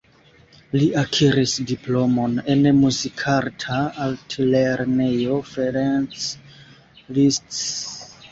Li akiris diplomon en Muzikarta Altlernejo Ferenc Liszt.